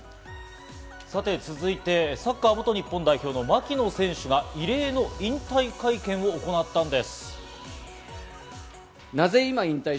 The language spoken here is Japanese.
続いてサッカー元日本代表・槙野選手が異例の引退会見を行ったのです。